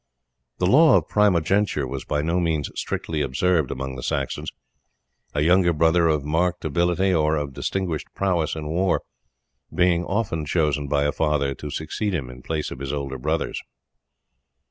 The law of primogeniture was by no means strictly observed among the Saxons, a younger brother of marked ability or of distinguished prowess in war being often chosen by a father to succeed him in place of his elder brothers.